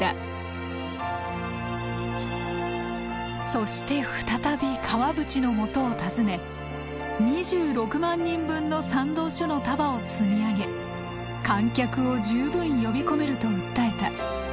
そして再び川淵のもとを訪ね２６万人分の賛同書の束を積み上げ観客を十分呼び込めると訴えた。